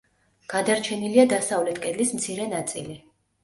გადარჩენილია დასავლეთ კედლის მცირე ნაწილი.